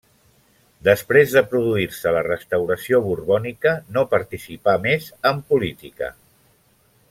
Després de produir-se la restauració borbònica no participà més en política.